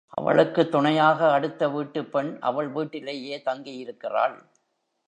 அவளுக்குத் துணையாக அடுத்த வீட்டுப் பெண் அவள் வீட்டிலேயே தங்கி இருக்கிறாள்.